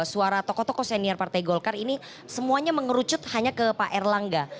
suara tokoh tokoh senior partai golkar ini semuanya mengerucut hanya ke pak erlangga